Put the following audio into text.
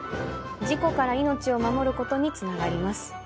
事故から命を守ることにつながります。